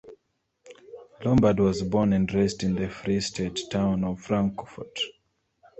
Lombard was born and raised in the Free State town of Frankfort.